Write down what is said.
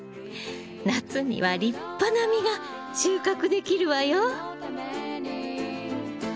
夏には立派な実が収穫できるわよ。